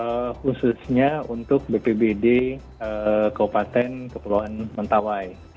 nah ini adalah informasi khususnya untuk bpbd kabupaten kepulauan mentawai